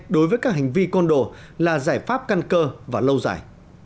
đối với các hành vi côn đồ là giải pháp căn cơ và lâu dài